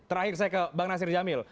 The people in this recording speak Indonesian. terakhir saya ke bang nasir jamil